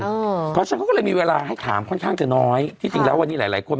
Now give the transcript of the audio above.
เพราะฉะนั้นเขาก็เลยมีเวลาให้ถามค่อนข้างจะน้อยที่จริงแล้ววันนี้หลายหลายคน